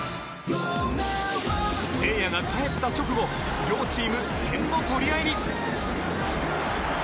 せいやが帰った直後両チーム点の取り合いに